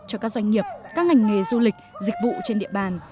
cho các doanh nghiệp các ngành nghề du lịch dịch vụ trên địa bàn